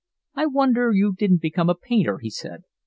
"I wonder you didn't become a painter," he said.